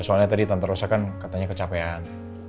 soalnya tadi tante rusa kan katanya kecapean